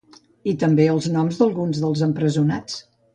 I també els noms d’alguns dels empresonats.